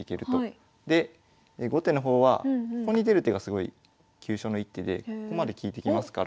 で後手の方はここに出る手がすごい急所の一手でここまで利いてきますから。